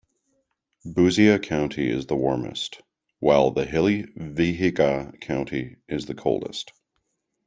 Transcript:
Busia County is the warmest, while the hilly Vihiga County is the coldest.